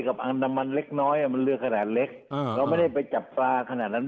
อันดามันเล็กน้อยมันเรือขนาดเล็กเราไม่ได้ไปจับปลาขนาดนั้น